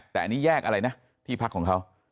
แต่อันนี้แยกอะไรนะที่พักของเขา